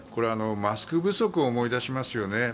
マスク不足を思い出しますね。